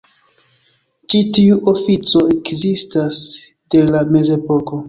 Ĉi tiu ofico ekzistas de la mezepoko.